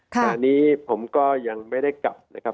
ตอนนี้ผมก็ยังไม่ได้กลับนะครับ